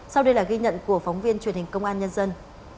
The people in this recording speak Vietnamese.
sau đây là ghi nhận của phóng viên truyền hình công an nhân dân